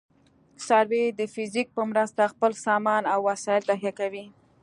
سروې د فزیک په مرسته خپل سامان او وسایل تهیه کوي